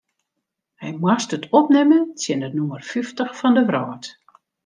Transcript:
Hy moast it opnimme tsjin de nûmer fyftich fan de wrâld.